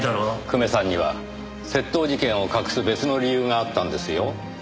久米さんには窃盗事件を隠す別の理由があったんですよ。